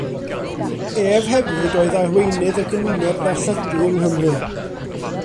Ef hefyd oedd arweinydd y gymuned ddarlledu yng Nghymru.